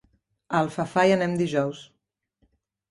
A Alfafar hi anem dijous.